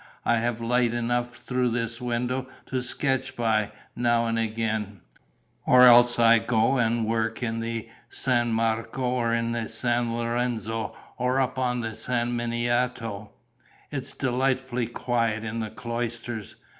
I have light enough through this window to sketch by, now and again. Or else I go and work in the San Marco or in San Lorenzo or up on San Miniato. It is delightfully quiet in the cloisters.